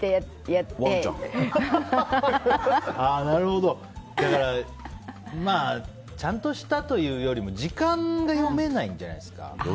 ワンちゃん。ちゃんとしたというよりも時間が読めないんじゃないですか。